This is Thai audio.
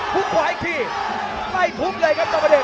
ฮุกขวาอีกทีไล่ทุบเลยครับต่อมาเด็ก